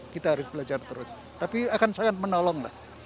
kita harus belajar terus tapi akan sangat menolong